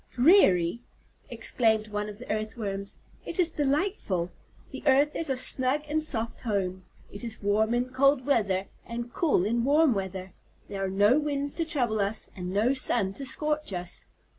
"Dreary!" exclaimed one of the Earthworms, "it is delightful. The earth is a snug and soft home. It is warm in cold weather and cool in warm weather. There are no winds to trouble us, and no sun to scorch us."